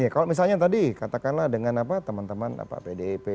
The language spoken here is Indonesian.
kalau misalnya tadi katakanlah dengan teman teman pdip